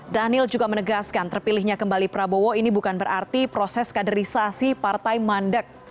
daniel juga menegaskan terpilihnya kembali prabowo ini bukan berarti proses kaderisasi partai mandek